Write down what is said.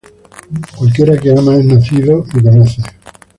Cualquiera que ama, es nacido de Dios, y conoce á Dios.